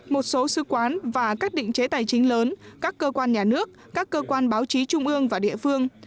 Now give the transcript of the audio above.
một số sư quán và các định chế tài chính lớn các cơ quan nhà nước các cơ quan báo chí trung ương và địa phương